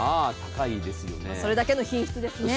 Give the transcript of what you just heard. それだけの品質ですね。